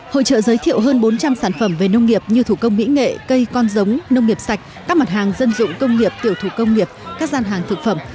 hội trợ giới thiệu hơn bốn trăm linh sản phẩm về nông nghiệp như thủ công mỹ nghệ cây con giống nông nghiệp sạch các mặt hàng dân dụng công nghiệp tiểu thủ công nghiệp các gian hàng thực phẩm